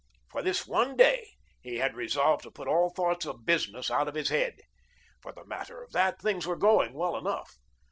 For this one day he had resolved to put all thoughts of business out of his head. For the matter of that, things were going well enough.